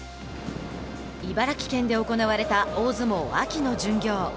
茨城県で行われた大相撲秋の巡業。